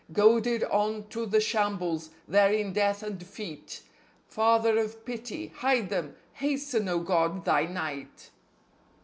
Goaded on to the shambles, there in death and defeat. ... Father of Pity, hide them! Hasten, O God, Thy night!